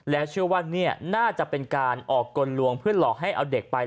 เชื่อว่านี่น่าจะเป็นการออกกลลวงเพื่อหลอกให้เอาเด็กไป